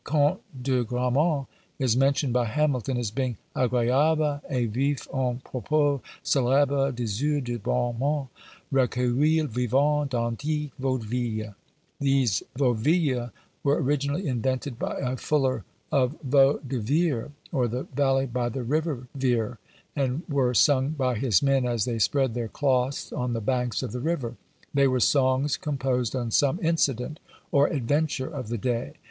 Count de Grammont is mentioned by Hamilton as being Agréable et vif en propos; CÃ©lÃẀbre diseur de bon mots, Recueil vivant d'antiques Vaudevilles. These Vaudevilles were originally invented by a fuller of Vau de Vire, or the valley by the river Vire, and were sung by his men as they spread their cloths on the banks of the river. They were songs composed on some incident or adventure of the day.